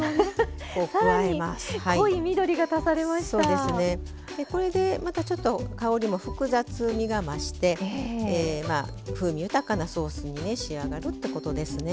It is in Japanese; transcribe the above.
でこれでまたちょっと香りも複雑みが増してえまあ風味豊かなソースにね仕上がるってことですね。